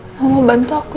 ayo aku kasih tau tau